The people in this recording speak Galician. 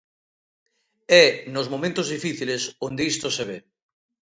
É nos momentos difíciles onde isto se ve.